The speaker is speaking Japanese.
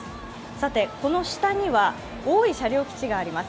さて、この下には大井車両基地があります。